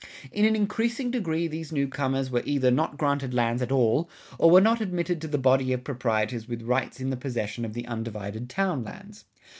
In an increasing degree these new comers were either not granted lands at all, or were not admitted to the body of proprietors with rights in the possession of the undivided town lands.